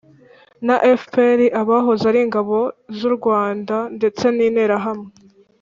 Na fpr abahoze ari ingabo z u rwanda ndetse n interahamwe